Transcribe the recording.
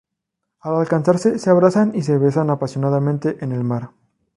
Al alcanzarse se abrazan y se besan apasionadamente en el mar.